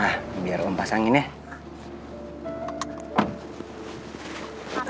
gak apa apa biar aku pasangin ya